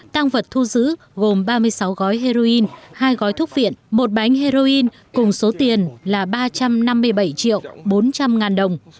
tăng vật thu giữ gồm ba mươi sáu gói heroin hai gói thuốc viện một bánh heroin cùng số tiền là ba trăm năm mươi bảy triệu bốn trăm linh ngàn đồng